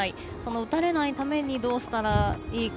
打たれないためにどうしたらいいか。